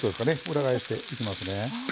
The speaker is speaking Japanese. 裏返していきますね。